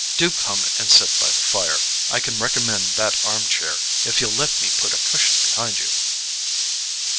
Do come and sit by the fire. I can recommend that arm chair, if you'll let me put a cushion behind you."